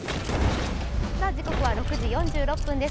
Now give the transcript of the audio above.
時刻は６時４６分です。